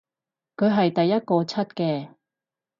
佢係第一個出嘅